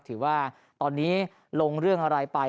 ถือว่าตอนนี้ลงเรื่องอะไรไป